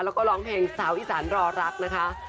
แล้วก็ร้องเพลงสาวอีสานรอรักนะคะ